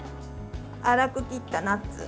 粗く切ったナッツ。